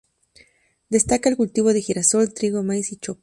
Destaca el cultivo de girasol, trigo, maíz y chopo.